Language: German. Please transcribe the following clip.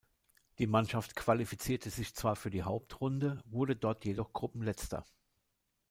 Die Mannschaft qualifizierte sich zwar für die Hauptrunde, wurde dort jedoch Gruppenletzter.